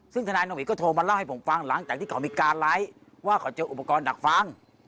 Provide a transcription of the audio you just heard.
ซึ่งธนายนวิทย์ก็โทรมาเล่าให้ผมฟังหลังจากที่เขามีการไลฟ์ว่าเขาเจออุปกรณ์ดักฟัง